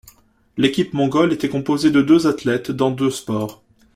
L'équipe mongole était composée de deux athlètes dans deux sports.